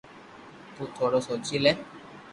تو ٿورو سوچي لي